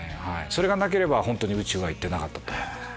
それがなければ本当に宇宙は行ってなかったと思います。